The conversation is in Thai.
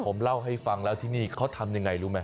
ผมเล่าให้ฟังแล้วที่นี่เขาทำยังไงรู้ไหม